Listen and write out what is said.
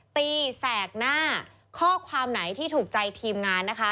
แสกหน้าข้อความไหนที่ถูกใจทีมงานนะคะ